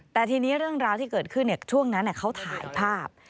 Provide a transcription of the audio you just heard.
แต่ทีนี้เรื่องราวที่เกิดขึ้นช่วงนั้นเขาถ่ายภาพ